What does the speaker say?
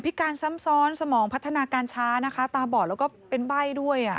การซ้ำซ้อนสมองพัฒนาการช้านะคะตาบอดแล้วก็เป็นใบ้ด้วย